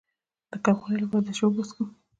د کمخونۍ لپاره د څه شي اوبه وڅښم؟